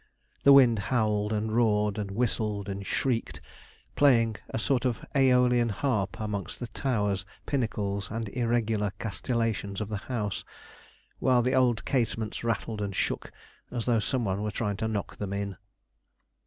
The wind howled, and roared, and whistled, and shrieked, playing a sort of æolian harp amongst the towers, pinnacles, and irregular castleisations of the house; while the old casements rattled and shook, as though some one were trying to knock them in.